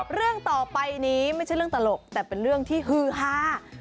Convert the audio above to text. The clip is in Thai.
เรื่องต่อไปนี้ไม่ใช่เรื่องตลกแต่เป็นเรื่องที่ฮือฮา